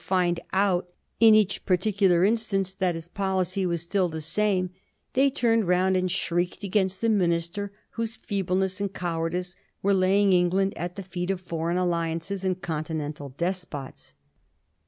381 find out in each particular instance that his policy was still the same, they turned round and shrieked against the minister whose feebleness and cowardice were laying England at the feet of foreign alliances and continental despots.